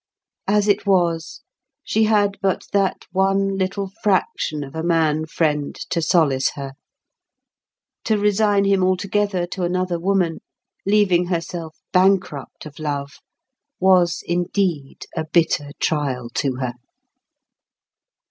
As it was, she had but that one little fraction of a man friend to solace her; to resign him altogether to another woman, leaving herself bankrupt of love, was indeed a bitter trial to her.